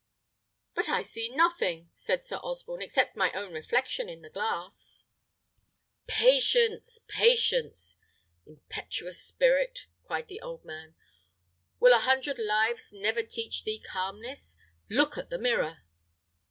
"But I see nothing," said Sir Osborne, "except my own reflection in the glass." "Patience, patience. Impetuous spirit," cried the old man. "Will a hundred lives never teach thee calmness? Look to the mirror!"